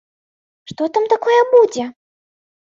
Што там такое будзе?